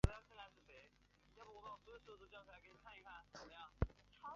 西南印度洋盆地的热带气旋由位于留尼汪的区域专责气象中心监测。